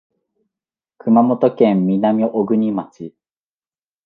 熊本県南小国町